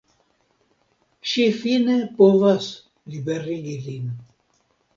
Ŝi fine povas liberigi lin.